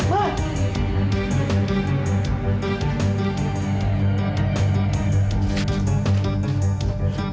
mama kamu siap siap